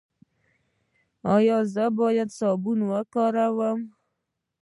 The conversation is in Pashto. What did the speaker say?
ایا زه باید صابون وکاروم؟